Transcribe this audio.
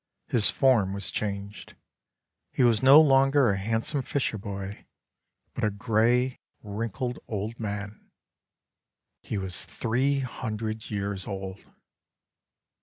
His form was changed. He was no longer a hand some fisherboy, but a grey, wrinkled, old man. He was three hundred years old.